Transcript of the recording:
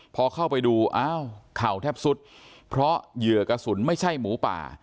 พอเข้าไปดูอ้าวเข่าแทบสุดเพราะเหยื่อกระสุนไม่ใช่หมูป่า